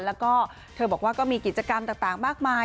แล้วก็เธอบอกว่าก็มีกิจกรรมต่างมากมาย